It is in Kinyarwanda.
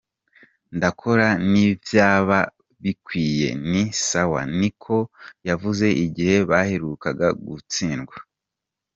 "Ndakora - ni vyaba bikwiye ni sawa," niko yavuze igihe baheruka gutsindwa.